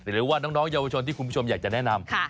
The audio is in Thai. หรือว่าน้องเยาวชนที่คุณผู้ชมอยากจะแนะนำ